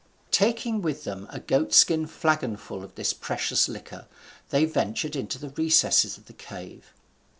Taking with them a goat skin flagon full of this precious liquor, they ventured into the recesses of the cave.